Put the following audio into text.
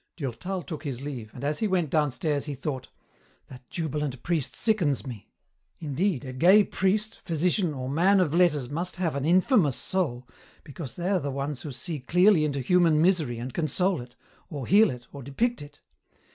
Durtal took his leave, and as he went downstairs he thought, "That jubilant priest sickens me. Indeed, a gay priest, physician, or man of letters must have an infamous soul, because they are the ones who see clearly into human misery and console it, or heal it, or depict it.